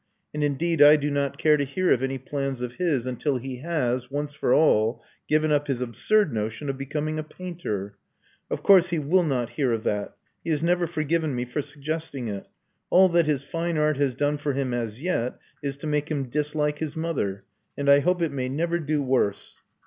And indeed I do not care to hear of any plans of his until he has, once for all, given up his absurd notion of becoming a painter. Of course he will not hear of that: he has never forgiven me for suggesting it. All that his fine art has done for him as yet is to make him dislike his mother; and I hope it may never do worse."